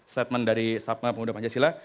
statement dari sabna pemuda pancasila